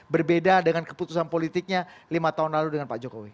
berbeda dengan keputusan politiknya lima tahun lalu dengan pak jokowi